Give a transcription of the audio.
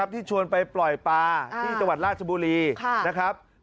ที่ชวนไปปล่อยปลาที่จังหวัดราชบุรีนะครับ